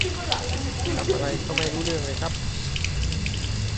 และจุดด่างดำไว้ให้ปวดใจ